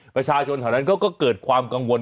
ประชาชนแถวนั้นเขาก็เกิดความกังวล